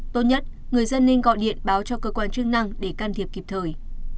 tốt nhất người dân nên gọi điện báo cho cơ quan chức năng để can thiệp kịp thời